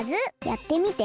やってみて！